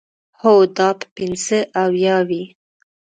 هو، دا به پنځه اویا وي.